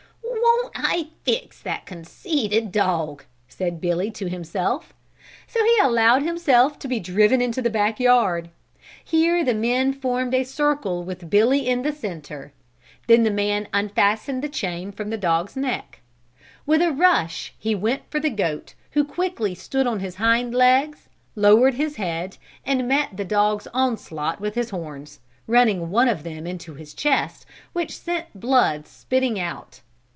"Won't I fix that conceited dog!" said Billy to himself. So he allowed himself to be driven into the back yard. Here the men formed a circle with Billy in the center; then the man unfastened the chain from the dog's neck. With a rush he went for the goat, who quickly stood on his hind legs, lowered his head and met the dog's onslaught with his horns, running one of them into his chest, which sent the blood spitting out.